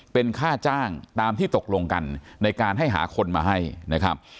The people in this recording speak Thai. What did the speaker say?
เป็นค่าจ้างตามที่ตกลงกันในการให้หาคนมาให้นะครับ